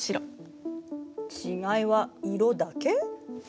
違いは色だけ？